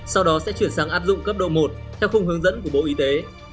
sau đó sẽ chuyển sang áp dụng cấp độ một theo khung hướng dẫn của bộ y tế